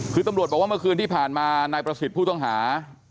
คือตำรวจบอกว่าเมื่อคืนที่ผ่านมานายประสิทธิ์ผู้ต้องหา